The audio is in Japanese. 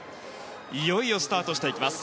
いよいよスタートしていきます。